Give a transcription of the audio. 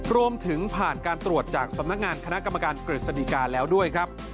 รวมถึงผ่านการตรวจจากสำนักงานคณะกรรมการกฤษฎีกาแล้วด้วยครับ